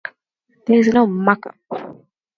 There is no markup.